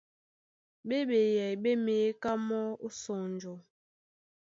Ɓé ɓeyɛy ɓé měká mɔ́ ó sɔnjɔ.